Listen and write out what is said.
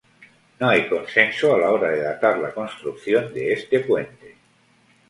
No hay consenso a la hora de datar la construcción de este puente.